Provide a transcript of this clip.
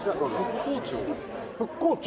復興庁。